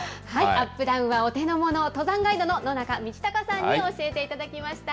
アップダウンはお手の物、登山ガイドの野中径隆さんに教えていただきました。